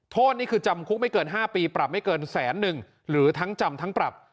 โทษนี่คือจำคุกไม่เกิน๕ปีปรับไม่เกินแสนหนึ่งหรือทั้งจำทั้งปรับ